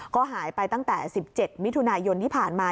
ก็หายไปตั้งแต่๑๗มิถุนายนที่ผ่านมา